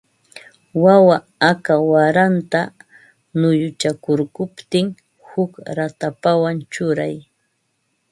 Wawa aka waranta nuyuchakurquptin huk ratapawan churay